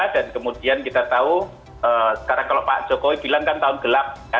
dan kemudian kita tahu karena kalau pak jokowi bilang kan tahun gelap ya